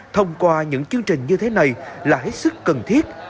thông qua những chương trình như thế này là hết sức cần thiết